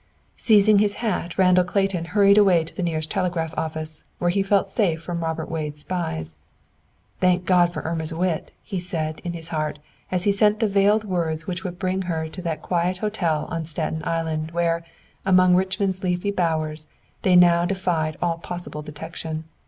Seizing his hat, Randall Clayton hurried away to the nearest telegraph office, where he felt safe from Robert Wade's spies. "Thank God for Irma's wit," he said, in his heart, as he sent the veiled words which would bring her to that quiet hotel on Staten Island, where, among Richmond's leafy bowers, they now defied all possible detection.